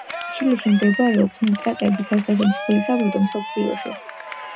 ჩილეში მდებარეობს ნიტრატების ერთ–ერთი მსხვილი საბადო მსოფლიოში.